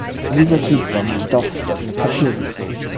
Dieser Typ war mit Stoff statt mit Papier überzogen.